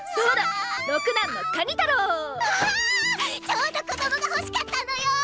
ちょうど子どもがほしかったのよー！